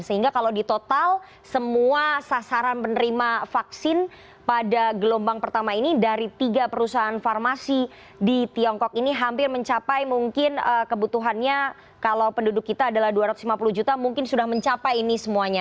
sehingga kalau di total semua sasaran penerima vaksin pada gelombang pertama ini dari tiga perusahaan farmasi di tiongkok ini hampir mencapai mungkin kebutuhannya kalau penduduk kita adalah dua ratus lima puluh juta mungkin sudah mencapai ini semuanya